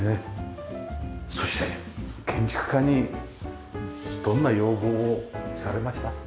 そして建築家にどんな要望をされました？